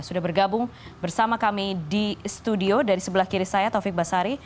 sudah bergabung bersama kami di studio dari sebelah kiri saya taufik basari